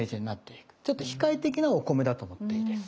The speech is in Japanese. ちょっと控え的なお米だと思っていいです。